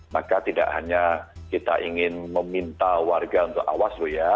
maka tidak hanya kita ingin meminta warga untuk awas